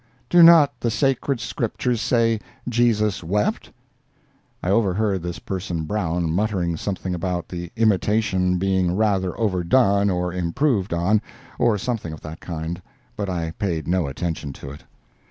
Do not the sacred scriptures say 'Jesus wept'?" I overheard this person Brown muttering something about the imitation being rather overdone or improved on, or something of that kind, but I paid no attention to it.